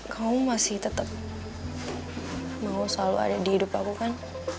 kamu masih tetap mau selalu ada di hidup aku kan